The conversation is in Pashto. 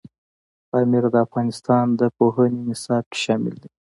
پامیر د افغانستان د پوهنې نصاب کې شامل دي.